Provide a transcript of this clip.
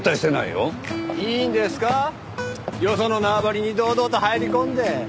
よその縄張りに堂々と入り込んで。